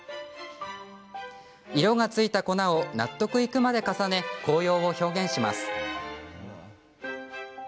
色がついた粉を納得いくまで重ね紅葉を表現します。